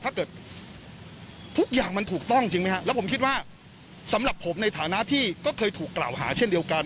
ถ้าเกิดทุกอย่างมันถูกต้องจริงไหมฮะแล้วผมคิดว่าสำหรับผมในฐานะที่ก็เคยถูกกล่าวหาเช่นเดียวกัน